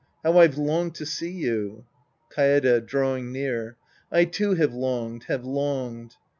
How I've longed to see you ! Kaede {drawing near). I, too, have longed, have longed.